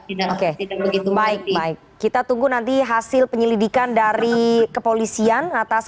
tidak oke tidak begitu baik baik kita tunggu nanti hasil penyelidikan dari kepolisian atas